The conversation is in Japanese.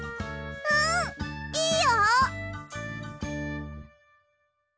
うんいいよ！